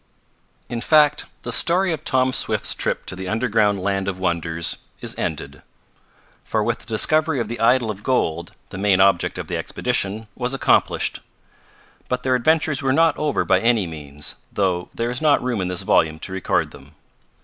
In fact the story of Tom Swift's trip to the underground land of wonders is ended, for with the discovery of the idol of gold the main object of the expedition was accomplished. But their adventures were not over by any means, though there is not room in this volume to record them.